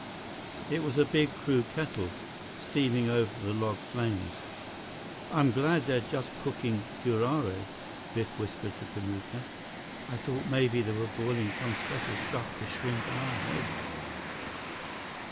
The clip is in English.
It was a big, crude kettle, steaming over the log flames. "I'm glad they're just cooking curare," Biff whispered to Kamuka. "I thought maybe they were boiling some special stuff to shrink our heads."